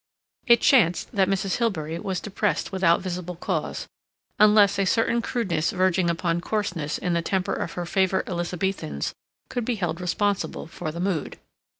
It chanced that Mrs. Hilbery was depressed without visible cause, unless a certain crudeness verging upon coarseness in the temper of her favorite Elizabethans could be held responsible for the mood.